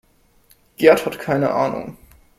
Gerd hat keine Ahnung.